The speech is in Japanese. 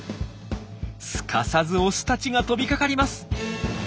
すかさずオスたちが飛びかかります。